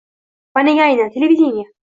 va nega aynan... televideniye!?